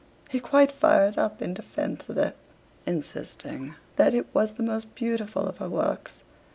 He quite fired up in defence of it, insisting that it was the most beautiful of her works.